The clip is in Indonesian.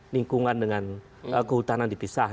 lingkungan dengan kehutanan dipisah